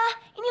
iyuh ini laura